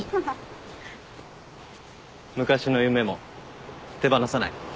昔の夢も手放さない。